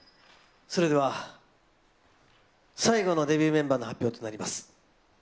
それでは最後のデビューメンバーの発表となります。